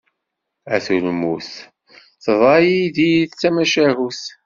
A tulmut, teḍra yid-i tmacahut.